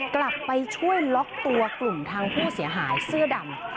กลับไปช่วยล็อกตัวกลุ่มทางผู้เสียหายเสื้อดำ